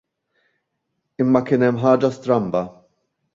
Imma kien hemm ħaġa stramba.